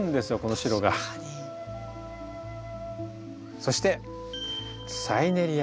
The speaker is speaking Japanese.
そしてサイネリア。